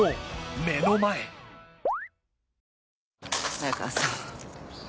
早川さん